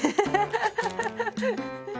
ハハハハ。